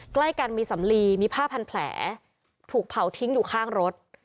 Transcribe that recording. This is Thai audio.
ใกล้กันมีสำลีมีผ้าพันแผลถูกเผาทิ้งอยู่ข้างรถ